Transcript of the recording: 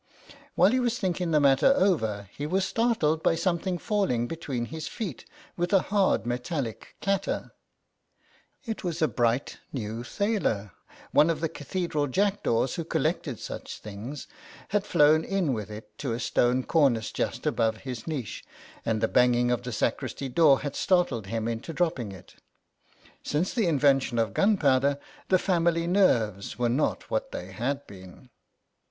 Whilst he was thinking the matter over he was startled by something falling between his feet with a hard metallic clatter. It was a I 62 THE SAINT AND THE GOBLIN bright new thaler; one of the cathedral jackdaws, who collected such things, had flown in with it to a stone cornice just above his niche, and the banging of the sacristy door had startled him into dropping it. Since the invention of gunpowder the family nerves were not what they had been.